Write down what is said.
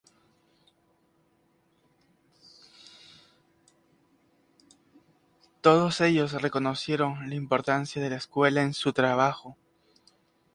Todos ellos reconocieron la importancia de la escuela en su trabajo.